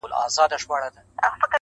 که غواړې ذهن دې قوي شي